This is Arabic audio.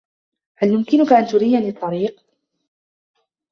هل يمكنك ان تريني الطريق؟